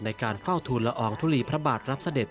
ในการเฝ้าทูลละอองทุลีพระบาทรับเสด็จ